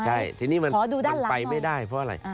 ใช่ทีนี้มันไปไม่ได้เพราะอะไร